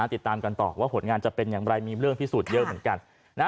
ติดตามกันต่อว่าผลงานจะเป็นอย่างไรมีเรื่องพิสูจน์เยอะเหมือนกัน